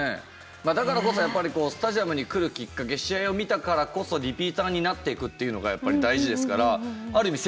だからこそやっぱりスタジアムに来るきっかけ試合を見たからこそリピーターになっていくっていうのがやっぱり大事ですからある意味成功ですよね。